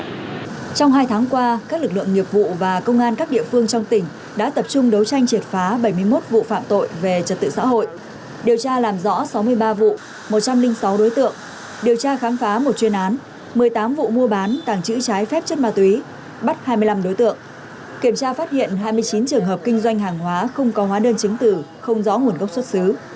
trong hai tháng qua các lực lượng nghiệp vụ và công an các địa phương trong tỉnh đã tập trung đấu tranh triệt phá bảy mươi một vụ phạm tội về trật tự xã hội điều tra làm rõ sáu mươi ba vụ một trăm linh sáu đối tượng điều tra kháng phá một chuyên án một mươi tám vụ mua bán tàng trữ trái phép chất ma túy bắt hai mươi năm đối tượng kiểm tra phát hiện hai mươi chín trường hợp kinh doanh hàng hóa không có hóa đơn chứng tử không rõ nguồn gốc xuất xứ